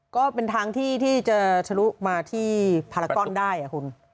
ก็เป็นทางที่จะสรุปมาที่ภารกรได้คุณ